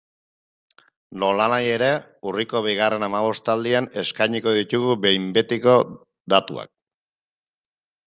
Nolanahi ere, urriko bigarren hamabostaldian eskainiko ditugu behin betiko datuak.